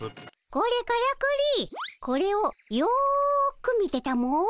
これからくりこれをよく見てたも。